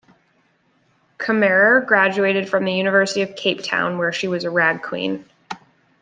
Camerer graduated from the University of Cape Town where she was Rag Queen.